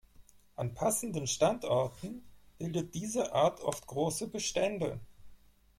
An passenden Standorten bildet diese Art oft große Bestände.